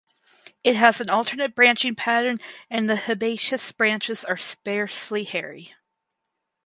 It has an alternate branching pattern and the herbaceous branches are sparsely hairy.